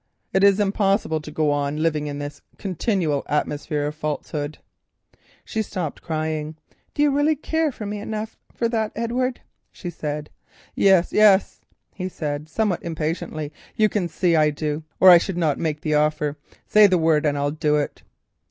It is impossible to go on living in this atmosphere of continual falsehood." She stopped crying. "Do you really care for me enough for that, Edward?" she said. "Yes, yes," he said, somewhat impatiently, "you can see I do or I should not make the offer. Say the word and I'll do it."